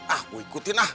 ah gua ikutin lah